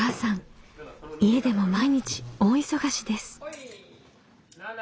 家でも毎日大忙しです。